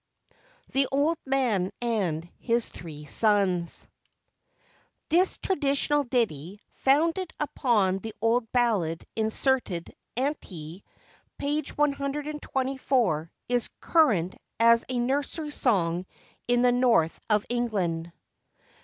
THE OLD MAN AND HIS THREE SONS. [THIS traditional ditty, founded upon the old ballad inserted ante, p. 124, is current as a nursery song in the North of England.